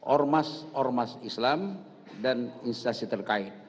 ormas ormas islam dan instasi terkait